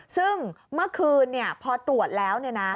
ซึ่งเมื่อคืนพอตรวจแล้ว